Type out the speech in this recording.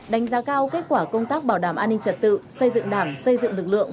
đánh giá cao kết quả công tác bảo đảm an ninh trật tự xây dựng đảng xây dựng lực lượng